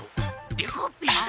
デコピン！